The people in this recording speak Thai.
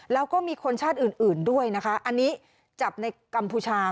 แล้วก็มีคนชาติอื่นด้วยนะคะอันนี้จับในกัมพูชา